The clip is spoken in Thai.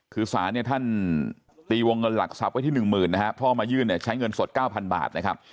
คือสารท่านตีวงเงินหลักทรัพย์ไว้ที่๑๐๐๐๐นะครับพ่อมายื่นใช้เงินสด๙๐๐๐บาทนะครับ